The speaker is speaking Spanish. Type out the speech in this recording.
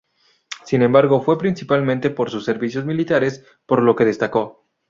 Sin embargo, fue principalmente por sus servicios militares por lo que destacó.